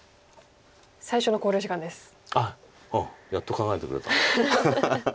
おおやっと考えてくれた。